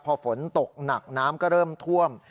พอฝนตกหนักน้ำก็เริ่มท่วม